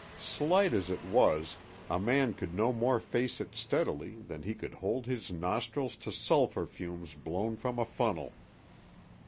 Slight as it was, a man could no more face it steadily than he could hold his nostrils to sulphur fumes blown from a funnel.